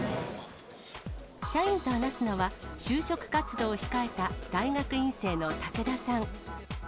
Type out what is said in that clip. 社員と話すのは、就職活動を控えた大学院生の武田さん。